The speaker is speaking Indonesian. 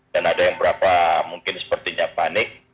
dan ada yang berapa mungkin sepertinya panik